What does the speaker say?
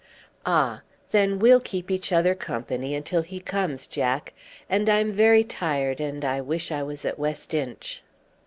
"Ah! then we'll keep each other company until he comes, Jack. And I'm very tired and I wish I was at West Inch."